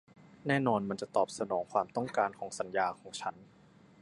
แน่นอนมันจะตอบสนองความต้องการของสัญญาของฉัน